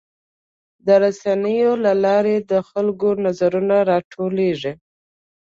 د رسنیو له لارې د خلکو نظرونه راټولیږي.